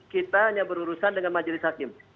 kita hanya berurusan dengan majelis hakim